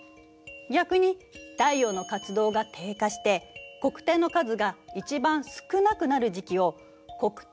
逆に太陽の活動が低下して黒点の数が一番少なくなる時期を黒点極小期っていうの。